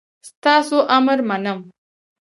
ستاسو امر منم